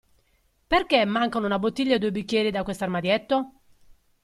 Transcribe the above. Perché mancano una bottiglia e due bicchieri da questo armadietto?